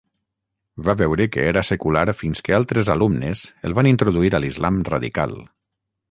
Va veure que era secular fins que altres alumnes el van introduir a l'islam radical.